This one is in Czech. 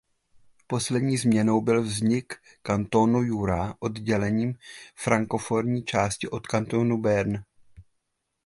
Poslední změnou byl vznik kantonu Jura oddělením frankofonní části od kantonu Bern.